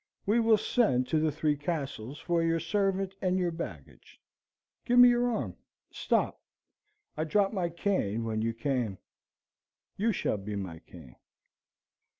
We will send to the Three Castles for your servant and your baggage. Give me your arm. Stop, I dropped my cane when you came. You shall be my cane."